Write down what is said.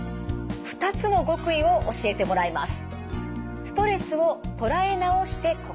２つの極意を教えてもらいます。